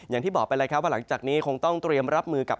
อย่างที่บอกไปแล้วครับว่าหลังจากนี้คงต้องเตรียมรับมือกับ